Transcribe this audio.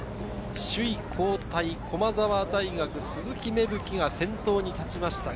首位交代、駒澤大学・鈴木芽吹が先頭に立ちました。